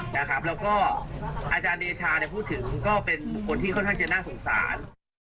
แล้วก็อาจารย์เดชาพูดถึงก็เป็นบุคคลที่ค่อนข้างจะน่าสงสาร